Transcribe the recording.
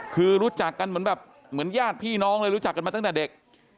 คือรู้จักกันเหมือนแบบเหมือนญาติพี่น้องเลยรู้จักกันมาตั้งแต่เด็ก